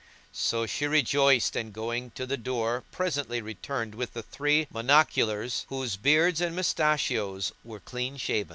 So she rejoiced and going to the door presently returned with the three monoculars whose beards and mustachios were clean shaven.